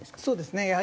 そうですね。